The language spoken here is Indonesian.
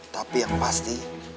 tapi yang pasti